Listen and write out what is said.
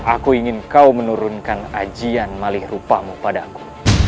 aku ingin kau menurunkan ajian malih rupamu pada aku